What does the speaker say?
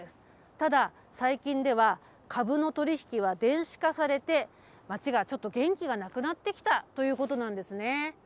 ただ、最近では株の取り引きは電子化されて、街がちょっと元気がなくなってきたということなんですね。